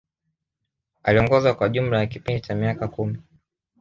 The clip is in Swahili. Aliongoza kwa jumla ya kipindi cha miaka kumi